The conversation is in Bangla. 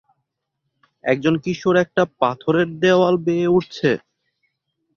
একজন কিশোর একটা পাথরের দেওয়াল বেয়ে উঠছে।